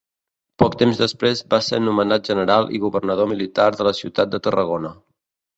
Poc temps després va ser nomenat general i governador militar de la ciutat de Tarragona.